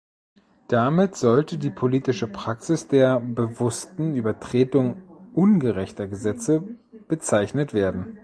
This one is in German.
Damit sollte die politische Praxis der bewussten Übertretung ungerechter Gesetze bezeichnet werden.